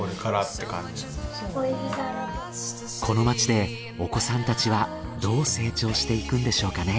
この街でお子さんたちはどう成長していくんでしょうかね。